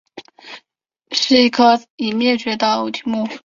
异鼷鹿科是一科已灭绝的偶蹄目。